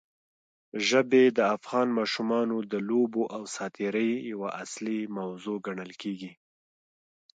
ژبې د افغان ماشومانو د لوبو او ساتېرۍ یوه اصلي موضوع ګڼل کېږي.